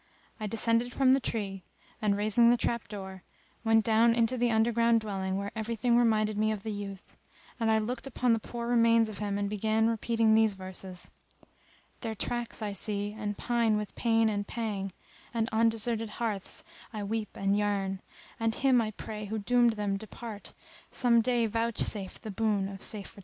I descended from the tree and, raising the trap door, went down into the underground dwelling where everything reminded me of the youth; and I looked upon the poor remains of him and began repeating these verses:— "Their tracks I see, and pine with pain and pang * And on deserted hearths I weep and yearn: And Him I pray who doomed them depart * Some day vouchsafe the boon of safe return."